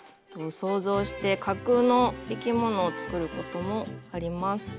想像して架空の生き物を作ることもあります。